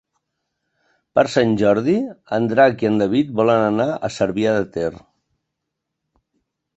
Per Sant Jordi en Drac i en David volen anar a Cervià de Ter.